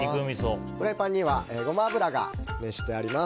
フライパンにはゴマ油が熱してあります。